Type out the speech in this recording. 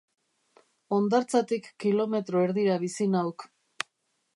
Hondartzatik kilometro erdira bizi nauk.